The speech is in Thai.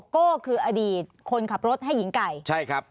โก้คืออดีตคนขับรถให้หญิงไก่ใช่ครับ